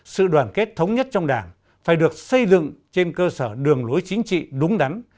sự đoàn kết thống nhất trong đảng phải được xây dựng trên cơ sở đường lối chính trị đúng đắn